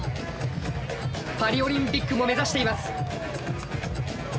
パリ・オリンピックも目指しています。